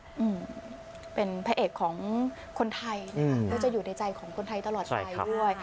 อืมเป็นพระเอกของคนไทยนะคะก็จะอยู่ในใจของคนไทยตลอดไปด้วย